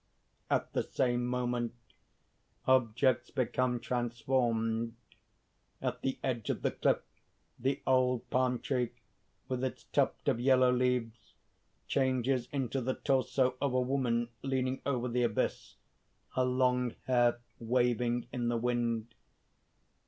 (_At the same moment objects become transformed. At the edge of the cliff, the old palm tree with its tuft of yellow leaves, changes into the torso of a woman leaning over the abyss, her long hair waving in the wind.